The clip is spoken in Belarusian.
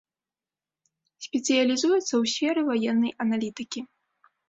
Спецыялізуецца ў сферы ваеннай аналітыкі.